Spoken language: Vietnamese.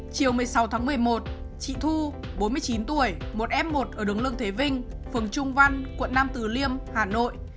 chiều một mươi sáu tháng một mươi một chị thu bốn mươi chín tuổi một f một ở đường lương thế vinh phường trung văn quận nam từ liêm hà nội